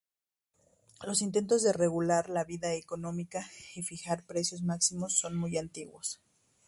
Los intentos de regular la vida económica y fijar precios máximos son muy antiguos.